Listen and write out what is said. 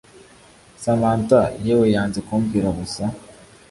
Samantha yewe yanze kumbwira gusa